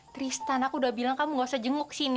tristan aku udah bilang kamu gak usah jenguk sini